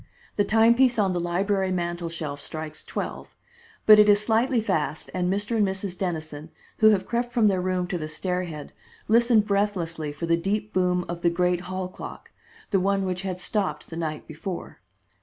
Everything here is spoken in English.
The timepiece on the library mantel shelf strikes twelve; but it is slightly fast, and Mr. and Mrs. Dennison, who have crept from their room to the stair head, listen breathlessly for the deep boom of the great hall clock the one which had stopped the night before.